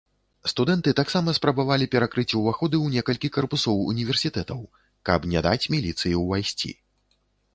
Студэнты таксама спрабавалі перакрыць уваходы ў некалькі карпусоў універсітэтаў, каб не даць міліцыі ўвайсці.